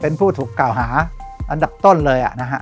เป็นผู้ถูกกล่าวหาอันดับต้นเลยนะฮะ